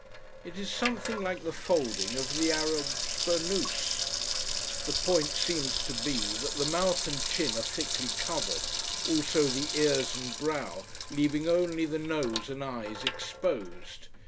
It is something like the folding of the Arab's burnoose. The point seems to be that the mouth and chin are thickly covered, also the ears and brow, leaving only the nose and eyes exposed.